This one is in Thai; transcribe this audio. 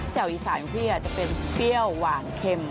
อีสานของพี่จะเป็นเปรี้ยวหวานเค็ม